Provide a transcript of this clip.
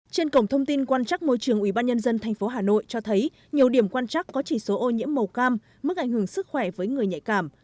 trên cổng thông tin quan trắc môi trường ubnd tp hà nội cho thấy nhiều điểm quan trắc có chỉ số ô nhiễm màu cam mức ảnh hưởng sức khỏe với người nhạy cảm